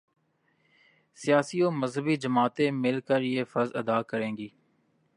سیاسی و مذہبی جماعتیں مل کر یہ فرض ادا کریں گی۔